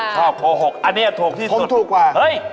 ชอบโคหกอันนี้ถูกที่สุด